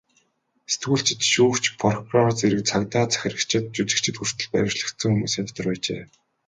Сэтгүүлчид, шүүгч, прокурор, цэрэг цагдаа, захирагчид, жүжигчид хүртэл баривчлагдсан хүмүүсийн дотор байжээ.